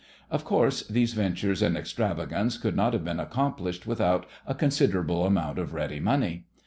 Of course, these ventures in extravagance could not have been accomplished without a considerable amount of ready money.